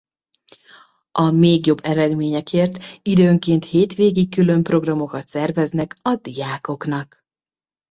A még jobb eredményekért időnként hétvégi külön programokat szerveznek a diákoknak.